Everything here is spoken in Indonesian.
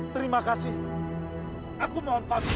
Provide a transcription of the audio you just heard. terima kasih aku mohon pak